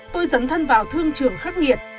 tôi dấn thân vào thương trường khắc nghiệt